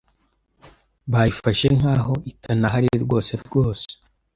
bayifashe nkaho itanaharirwose rwose